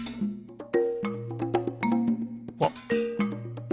あっ！